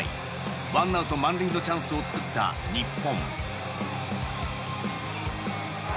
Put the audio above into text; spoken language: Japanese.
ワンアウト満塁のチャンスを作った日本。